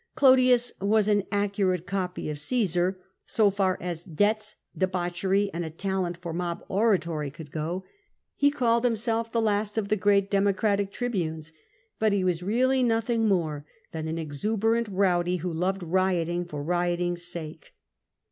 Clodius was an accurate copy of C^sar, so far as debts, debauchery, and a talent for mob oratory could go ; he called himself the last of the great Democratic tribunes, but he was really nothing more than an exuberant rowdy who loved rioting for rio ting's sake.